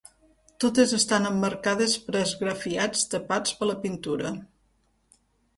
Totes estan emmarcades per esgrafiats tapats per la pintura.